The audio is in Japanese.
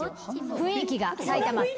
雰囲気が、埼玉って。